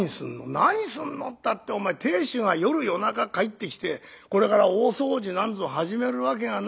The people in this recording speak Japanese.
「何すんのったってお前亭主が夜夜中帰ってきてこれから大掃除なんぞ始めるわけがないでしょ？